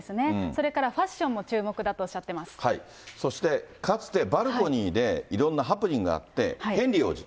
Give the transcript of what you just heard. それからファッションも注目だとそして、かつてバルコニーで、いろんなハプニングがあって、ヘンリー王子。